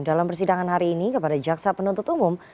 dalam persidangan hari ini kepada jaksa penuntut umum